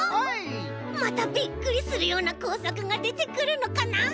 またびっくりするようなこうさくがでてくるのかな？